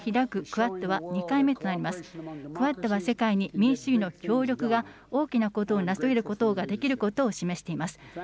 クアッドは世界に民主主義の協力が大きな事を成し遂げることができることを示しています。